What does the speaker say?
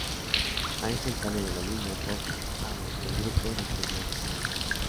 Angel sale de la línea pop a la que el grupo nos tenía acostumbrados.